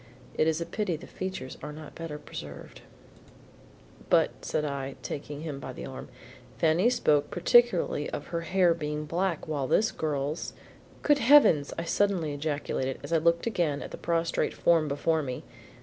"It is a pity the features are not better preserved." "But," said I, taking him by the arm, "Fanny spoke particularly of her hair being black, while this girl's Good heavens!" I suddenly ejaculated as I looked again at the prostrate form before me.